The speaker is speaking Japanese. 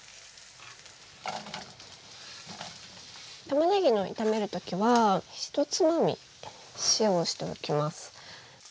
たまねぎの炒めるときは１つまみ塩をしておきます。